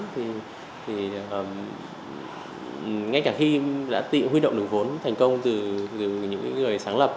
thì ngay cả khi đã tự huy động được vốn thành công từ những người sáng lập